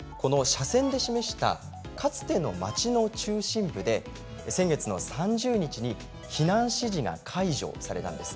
斜線で示したかつての町の中心部で先月３０日に避難指示が解除されたんです。